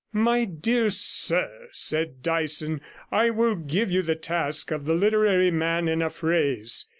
'My dear sir,' said Dyson, 'I will give you the task of the literary man in a phrase.